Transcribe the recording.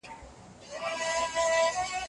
بیا به هم لمبه د شمعي له سر خېژي